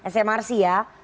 smr sih ya